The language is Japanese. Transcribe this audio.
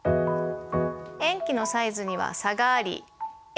塩基のサイズには差がありＡ